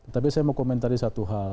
tapi saya mau komentari satu hal